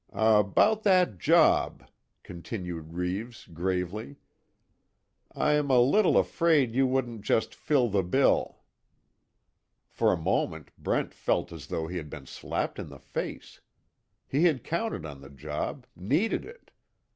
"About that job," continued Reeves, gravely, "I'm a little afraid you wouldn't just fill the bill." For a moment Brent felt as though he had been slapped in the face. He had counted on the job needed it.